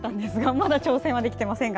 まだ挑戦はできていませんが。